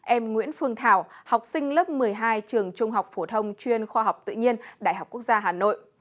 em nguyễn phương thảo học sinh lớp một mươi hai trường trung học phổ thông chuyên khoa học tự nhiên đại học quốc gia hà nội